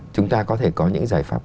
chúng ta có thể có những giải pháp